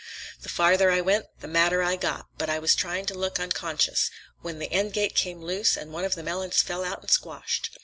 The farther I went the madder I got, but I was trying to look unconscious, when the end gate came loose and one of the melons fell out and squashed.